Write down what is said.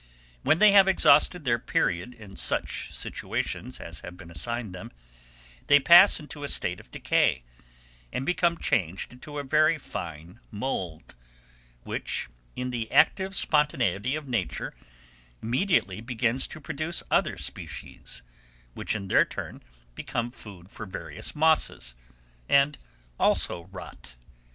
When they have exhausted their period in such situations as have been assigned them, they pass into a state of decay, and become changed into a very fine mould, which, in the active spontaneity of nature, immediately begins to produce other species, which in their turn become food for various mosses, and also rot.